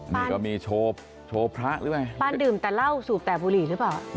นี่ก็มีโชว์โชว์พระหรือไปบ้านดื่มแต่เหล้าสูบแต่บุหรี่หรือเปล่า